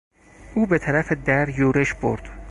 او به طرف در یورش برد.